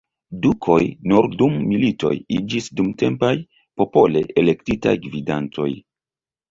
Dukoj nur dum militoj iĝis dumtempaj, popole elektitaj gvidantoj.